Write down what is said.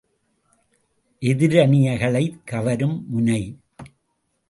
எதிரயனிகளைக் கவரும் முனை.